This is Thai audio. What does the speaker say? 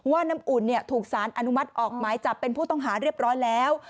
น้ำอุ่นถูกสารอนุมัติออกหมายจับเป็นผู้ต้องหาเรียบร้อยแล้ว